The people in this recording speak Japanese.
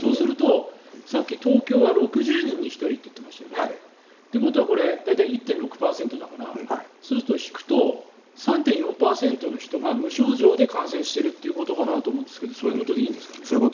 さっき東京は６０人に１人と言っていましたよね。ということは大体１．６％だからそうすると引くと３．４％の人が無症状で感染しているということかなと思うんですけどそういうことですね。